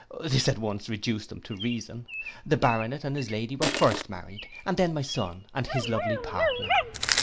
'—This at once reduced them to reason. The Baronet and his Lady were first married, and then my son and his lovely partner.